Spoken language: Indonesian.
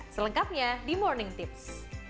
selengkapnya di morning tips